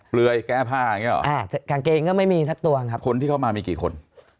เปลือยแก้ผ้าอย่างเงี้หรออ่ากางเกงก็ไม่มีสักตัวครับคนที่เข้ามามีกี่คน